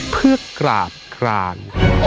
เพื่อกราบคราน